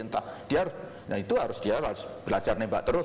nah itu dia harus belajar nembak terus